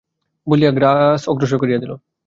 – বলিয়া গ্লাস অগ্রসর করিয়া দিল।